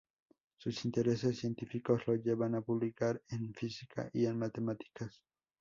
Sus intereses científicos lo llevan a publicar en física y en matemáticas.